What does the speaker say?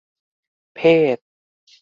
เพศ